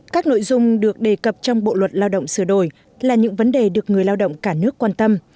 các nội dung được đề cập trong bộ luật lao động sửa đổi là những vấn đề được người lao động cả nước quan tâm